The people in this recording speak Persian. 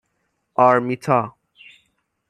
آرمیتا